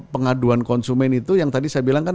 pengaduan konsumen itu yang tadi saya bilang kan